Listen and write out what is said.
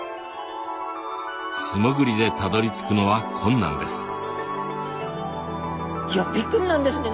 素潜りでたどりつくのは困難です。いやびっくりなんですね。